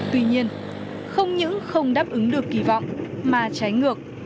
tuy nhiên không những không đáp ứng được kỳ vọng mà trái ngược